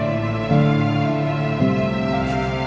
aku mau denger